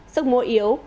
sức mùa yếu